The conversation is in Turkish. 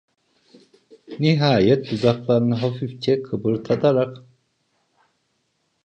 Nihayet dudaklarını hafifçe kıpırdatarak: